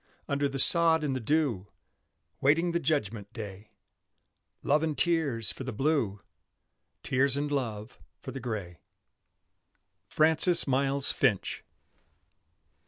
Under the sod and the dew, Waiting the judgment day; Love and tears for the Blue, Tears and love for the Gray. FRANCIS MILES FINCH.